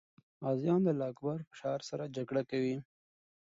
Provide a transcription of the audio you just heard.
غازیان د الله اکبر په شعار سره جګړه کوي.